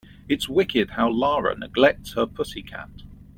It's wicked how Lara neglects her pussy cat.